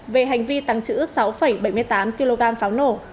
về hành vi tăng trữ sáu bảy mươi tám kg pháo nổ